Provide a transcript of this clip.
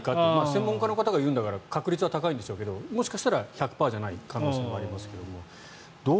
専門家の方が言うんだから確率は高いんでしょうけどもしかしたら１００％じゃない可能性はありますけれど。